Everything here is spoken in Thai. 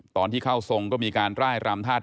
ตอนที่เข้าทรงก็มีการไลน์รำท่าทาง